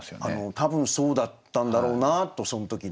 多分そうだったんだろうなとそん時の。